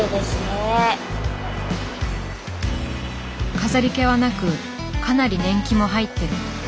飾り気はなくかなり年季も入ってる。